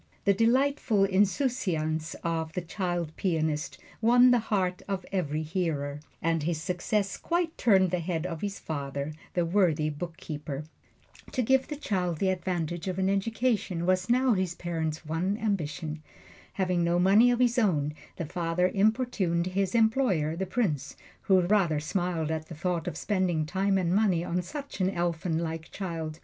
The delightful insouciance of this child pianist won the heart of every hearer, and his success quite turned the head of his father, the worthy bookkeeper. To give the child the advantages of an education was now his parents' one ambition. Having no money of his own, the father importuned his employer, the Prince, who rather smiled at the thought of spending time and money on such an elfin like child.